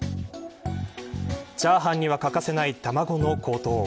チャーハンには欠かせない卵の高騰。